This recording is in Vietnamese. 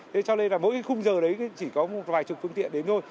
thế cho nên là mỗi cái khung giờ đấy chỉ có một vài chục phương tiện đến thôi